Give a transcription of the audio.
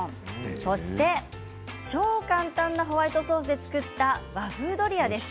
そして超簡単なホワイトソースで作った和風ドリアです。